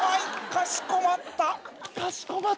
「かしこまった」？